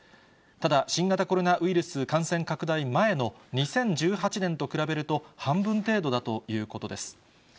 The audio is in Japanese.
ただ、新型コロナウイルス感染拡大前の２０１８年と比べると、半分程度だということです。